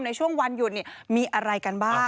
ในช่วงวันหยุดมีอะไรกันบ้าง